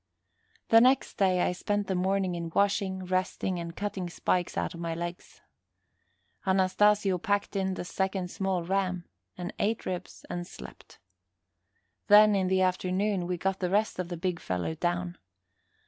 The next day, I spent the morning in washing, resting, and cutting spikes out of my legs. Anastasio packed in the second small ram, and ate ribs and slept. Then, in the afternoon, we got the rest of the big fellow down.